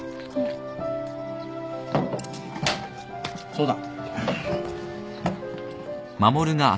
そうだ。